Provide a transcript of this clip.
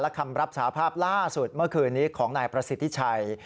และคำรับชาวภาพล่าล่าสุดเมื่อคืนของนายประสิทธิไชย